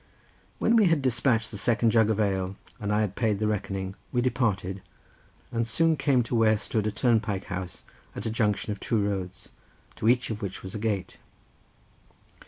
When we had dispatched the second jug of ale, and I had paid the reckoning, we departed and soon came to where stood a turnpike house at a junction of two roads, to each of which was a gate.